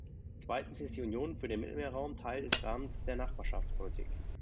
Zweitens ist die Union für den Mittelmeerraum Teil des Rahmens der Nachbarschaftspolitik.